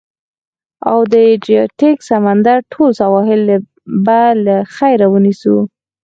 او د ادریاتیک سمندر ټول سواحل به له خیره، ونیسو.